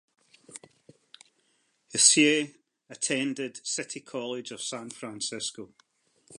Hsieh attended City College of San Francisco.